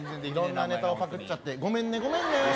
いろんなネタをパクっちゃってごめんねごめんね。